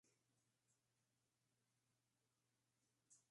Delante se alzan estatuas de Shakespeare, Milton, Bacon, Newton, y Thomas More.